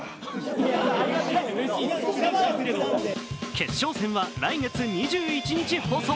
決勝戦は来月２１日放送。